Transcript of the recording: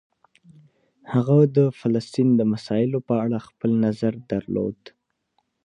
هغه د فلسطین د مسایلو په اړه خپل نظر درلود.